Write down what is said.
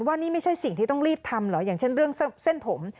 ว่านี่ไม่ใช่สิ่งที่ต้องรีบทำเหรออย่างเช่นเรื่องเส้นผม